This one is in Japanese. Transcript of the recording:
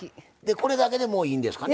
これだけでもういいんですかね。